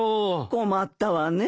困ったわねえ。